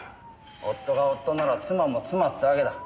夫が夫なら妻も妻ってわけだ。